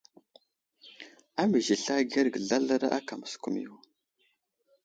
Amiz i sla agərge zlazlaɗa áka məskumiyo.